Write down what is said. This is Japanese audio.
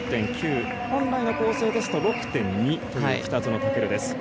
本来の構成ですと６．２という北園丈琉です。